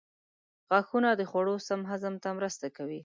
غاښونه د خوړو سم هضم ته مرسته کوي.